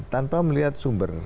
tanpa melihat sumber